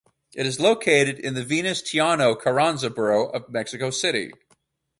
It is located in the Venustiano Carranza borough of Mexico City.